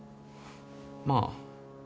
まあ。